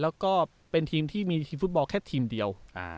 แล้วก็เป็นทีมที่มีทีมฟุตบอลแค่ทีมเดียว